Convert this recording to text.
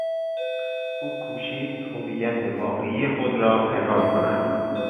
او کوشید هویت واقعی خود را پنهان کند.